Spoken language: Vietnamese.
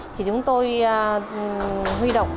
thì chúng tôi huy động